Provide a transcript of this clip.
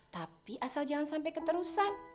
tapi asal jangan sampai keterusan